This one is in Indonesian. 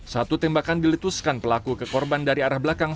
satu tembakan diletuskan pelaku ke korban dari arah belakang